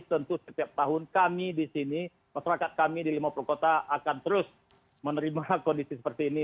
tentu setiap tahun kami di sini masyarakat kami di lima puluh kota akan terus menerima kondisi seperti ini